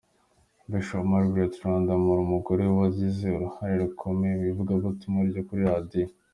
Bishop Margret Rwandamura: Umugore wagize uruhare rukomeye mu ivugabutumwa ryo kuri radiyo.